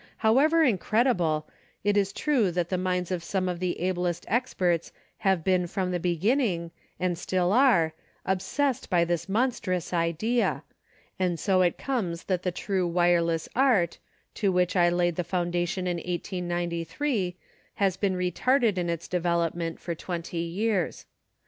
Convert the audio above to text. However incredible, it is true that February, 1919 ELECTRICAL EXPERIMENTER 733 the minds of some of the ablest experts have been from the beginning, and still are, obsest by this monstrous idea, and so it comes that the true wireless art, to which I laid the foundation in 1893, has been re tarded in its development for twenty years.